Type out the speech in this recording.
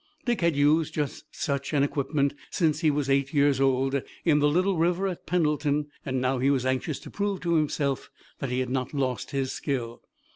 Dick had used just such an equipment since he was eight years old, in the little river at Pendleton, and now he was anxious to prove to himself that he had not lost his skill.